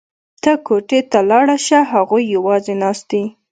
ته کوټې ته لاړه شه هغوی یوازې ناست دي